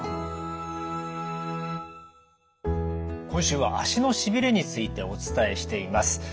今週は足のしびれについてお伝えしています。